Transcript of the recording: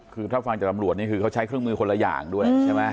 คือถ้าฟังจากตำรวจนี่คือเขาใช้เครื่องมือคนละอย่างด้วยใช่ไหม